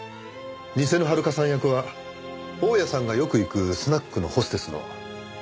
偽のはるかさん役は大家さんがよく行くスナックのホステスのレイナさん。